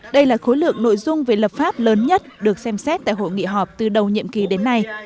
đây là khối lượng nội dung về lập pháp lớn nhất được xem xét tại hội nghị họp từ đầu nhiệm kỳ đến nay